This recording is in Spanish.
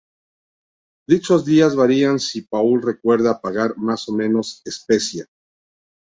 Dichos días varían si Paul acuerda pagar más o menos especia.